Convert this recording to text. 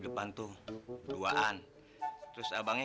lekas dateng u bem phi